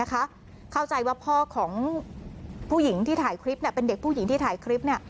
เข้าใจว่าพ่อของผู้หญิงที่ถ่ายคลิปเป็นเด็กผู้หญิงที่ถ่ายคลิป